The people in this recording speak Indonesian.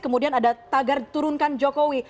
kemudian ada tagar turunkan jokowi